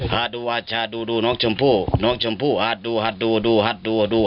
หาดูหาดดูหาดดูน้องชมพู่น้องชมพู่หาดดูหาดดูหาดดู